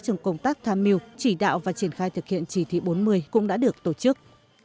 trong công tác tham mưu chỉ đạo và triển khai thực hiện chỉ thị bốn mươi cũng đã được tổ chức